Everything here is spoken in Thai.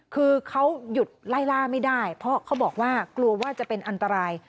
คือเขาหยุดไล่ล่าไม่ได้เพราะเขาบอกว่ากลัวว่าจะเป็นอันตราย